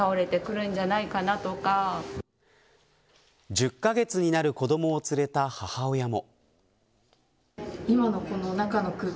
１０カ月になる子どもを連れた母親も。